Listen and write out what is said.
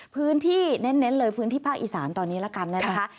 พื้นที่เน้นเลยพื้นที่ภาคอีสานตอนนี้ละกันนะคะ